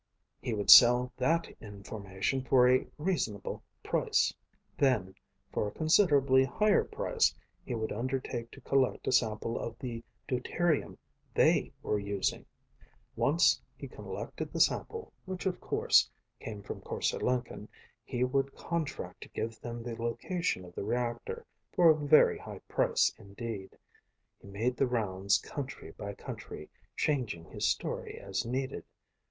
He would sell that information for a reasonable price. Then, for a considerably higher price, he would undertake to collect a sample of the deuterium they were using. Once he collected the sample, which of course came from Korse Lenken, he would contract to give them the location of the reactor for a very high price indeed. He made the rounds country by country, changing his story as needed.